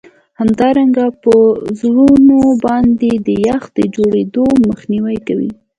همدارنګه په وزرونو باندې د یخ د جوړیدو مخنیوی کوي